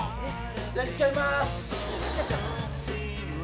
やっちゃいます。